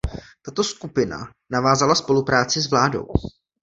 Tato skupina navázala spolupráci s vládou.